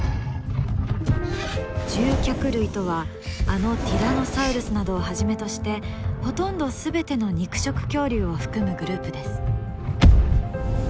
獣脚類とはあのティラノサウルスなどをはじめとしてほとんど全ての肉食恐竜を含むグループです。